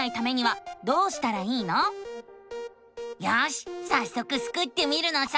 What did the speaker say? よしさっそくスクってみるのさ！